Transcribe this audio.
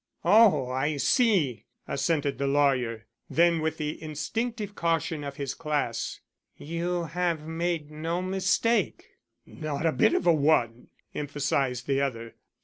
"Oh, I see!" assented the lawyer. Then with the instinctive caution of his class, "You have made no mistake?" "Not a bit of a one," emphasized the other.